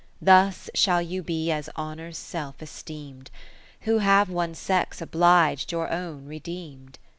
Thus shall you be as Honour's self esteem'd. Who have one sex oblig'd, your own redeem'd.